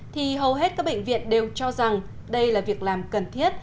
thì hầu hết các bệnh viện đều cho rằng đây là việc làm cần thiết